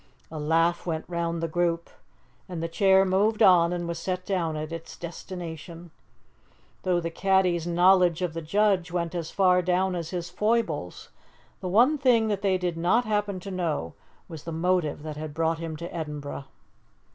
A laugh went round the group, and the chair moved on and was set down at its destination. Though the caddies' knowledge of the judge went as far down as his foibles, the one thing that they did not happen to know was the motive that had brought him to Edinburgh.